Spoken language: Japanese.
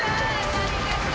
・ありがとう！